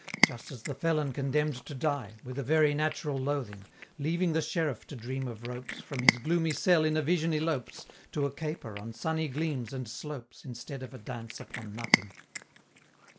Just as the felon condemn'd to die With a very natural loathing Leaving the Sheriff to dream of ropes, From his gloomy cell in a vision elopes, To a caper on sunny gleams and slopes, Instead of a dance upon nothing.